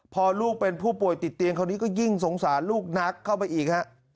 พอลูกเป็นผู้ป่วยติดเตียงคราวนี้ก็ยิ่งสงสารลูกนักเข้าไปอีกฮะ